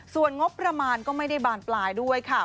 ส่วนงบประมาณก็ไม่ได้บานปลายด้วยค่ะ